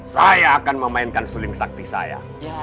saya akan memainkan suling sakti saya